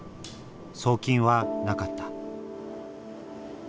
送金はなかった。